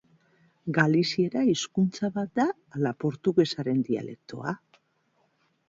Galiziera hizkuntza bat da ala portugesaren dialektoa?